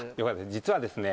実はですね